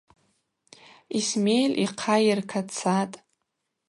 Исмель йхъа йыркацатӏ.